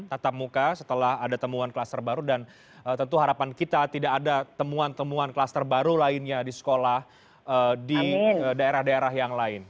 tetap muka setelah ada temuan kluster baru dan tentu harapan kita tidak ada temuan temuan kluster baru lainnya di sekolah di daerah daerah yang lain